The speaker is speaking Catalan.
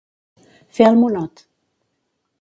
Fer el monot.